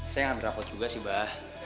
saya ambil rapot juga sih mbak